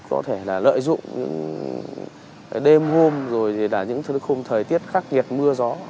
có thể lợi dụng đêm hôm rồi là những thời tiết khắc nghiệt mưa gió